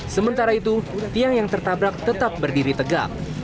sementara itu tiang yang tertabrak tetap berdiri tegak